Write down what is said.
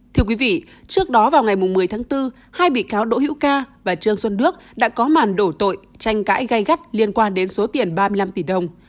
thưa quý vị trước đó vào ngày một mươi tháng bốn hai bị cáo đỗ hữu ca và trương xuân đức đã có màn đổ tội tranh cãi gai gắt liên quan đến số tiền ba mươi năm tỷ đồng